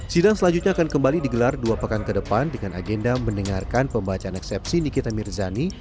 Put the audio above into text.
sidang selanjutnya akan kembali digelar dua pekan ke depan dengan agenda mendengarkan pembacaan eksepsi nikita mirzani